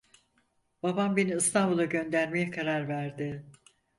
Babam beni İstanbul'a göndermeye karar verdi.